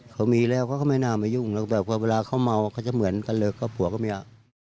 เขามีแล้วเขาก็ไม่น่ามายุ่งแล้วแบบว่าเวลาเขาเมาเขาจะเหมือนกันเลยก็ผัวก็ไม่เอา